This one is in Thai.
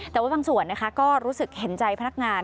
แต่ว่าบางส่วนนะคะก็รู้สึกเห็นใจพนักงาน